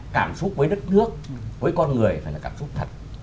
cảm xúc với đất nước với con người phải là cảm xúc thật